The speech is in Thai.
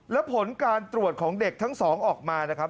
และผลการตรวจของเด็กทั้งสองออกมานะครับ